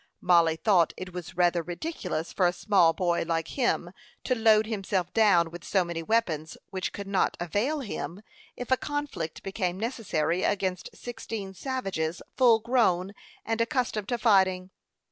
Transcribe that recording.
Mollie thought it was rather ridiculous for a small boy like him to load himself down with so many weapons, which could not avail him, if a conflict became necessary, against sixteen savages, full grown, and accustomed to fighting.